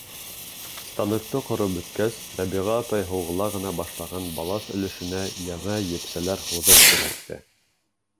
— Станокты ҡороп бөткәс, Рабиға апай һуғыла ғына башлаған балаҫ өлөшөнә яңы епсәләр һуҙып күрһәтте.